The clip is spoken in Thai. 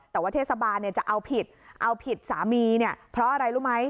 แต่ว่าเทศบาลจะเอาผิดเอาผิดสามีเนี่ยเพราะอะไรรู้ไหม